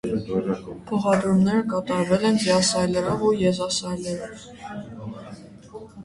Փոխադրումները կատարվել են ձիասայլերով ու եզասայլերով։